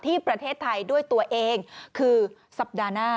ที่ประเทศไทยด้วยตัวเองคือสัปดาห์หน้า